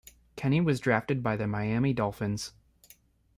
Kenney was drafted by the Miami Dolphins.